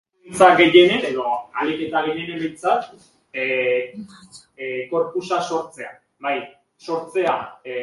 Nacho Durán, el director de la serie, lo vio y le dio el papel.